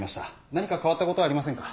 何か変わったことはありませんか？